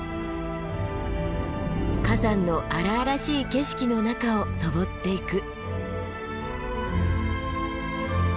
火山の荒々しい景色の中を登っていく。